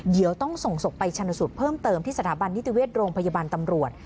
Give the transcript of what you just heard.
เดี๋ยวต้องส่งศพไปชนสูตรเพิ่มเติมที่สถาบันนิติเวชโรงพยาบาลตำรวจ